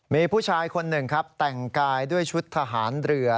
มีผู้ชายคนหนึ่งครับแต่งกายด้วยชุดทหารเรือ